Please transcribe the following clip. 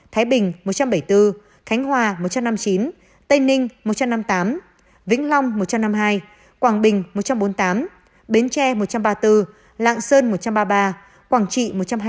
thái bình một trăm bảy mươi bốn khánh hòa một trăm năm mươi chín tây ninh một trăm năm mươi tám vĩnh long một trăm năm mươi hai quảng bình một trăm bốn mươi tám bến tre một trăm ba mươi bốn lạng sơn một trăm ba mươi ba quảng trị một trăm hai mươi bốn